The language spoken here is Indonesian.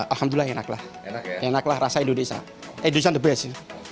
alhamdulillah enak lah enak lah rasa indonesia indonesia the best